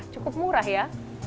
cukup murah ya